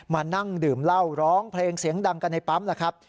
มานั่งดื่มเหล้าร้องเพลงเสียงดังกันในปั๊มล่ะครับ